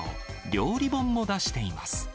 料理本も出しています。